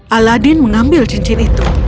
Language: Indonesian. aladin mengambil cincin itu